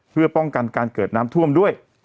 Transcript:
เพื่อป้องกันการเกิดน้ำท่วมด้วย